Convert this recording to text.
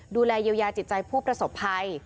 ดูแลเยียวยาจิตใจผู้ประสบภัย